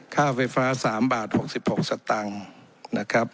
ค่าไฟฟ้าสามบาทหกสิบหกสัตว์ตังค์นะครับ